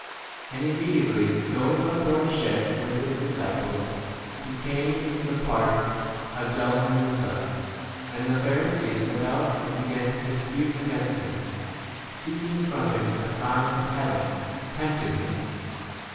10 And immediately going on boardi ship with his disciples, he came into the parts of Dalmanutha. 11 And the Pharisees went out and began to dispute against him, seek ing from him a sign from heaven, 12 tempting him.